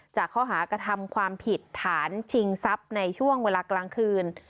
จากข้อหากระทำความผิดฐานชิงทรัพย์ในช่วงเวลากลางคืน